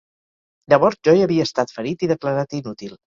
Llavors jo ja havia estat ferit i declarat inútil.